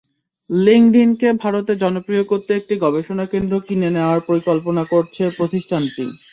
লিংকডইনকে ভারতে জনপ্রিয় করতে একটি গবেষণা কেন্দ্র কিনে নেওয়ার পরিকল্পনা করছে প্রতিষ্ঠানটি।